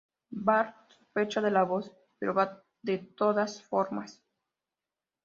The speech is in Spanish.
Bart sospecha de la voz pero va de todas formas.